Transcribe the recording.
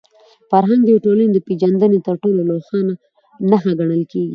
فرهنګ د یوې ټولني د پېژندني تر ټولو روښانه نښه ګڼل کېږي.